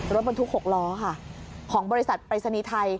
รถบรรทุก๖ล้อค่ะของบริษัทปริศนีย์ไทย